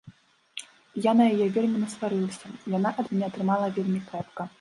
Я на яе вельмі насварылася, яна ад мяне атрымала вельмі крэпка.